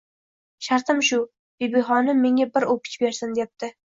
— Shartim shu: Bibixonim menga bir o’pich bersin, — debdi.